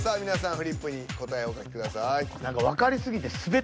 フリップに答えお書きください。